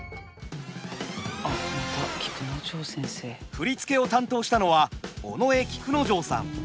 振り付けを担当したのは尾上菊之丞さん。